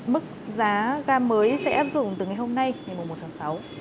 mức giá ga mới sẽ áp dụng từ ngày hôm nay ngày một tháng sáu